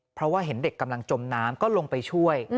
เพราะว่าเห็นเด็กกำลังจมน้ำก็ลงไปช่วย